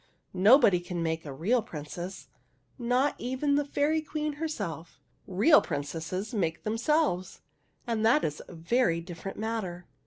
'' Nobody can make a real princess, — not even the Fairy Queen her self. Real princesses make themselves, and that is a very different matter."